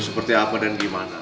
seperti apa dan gimana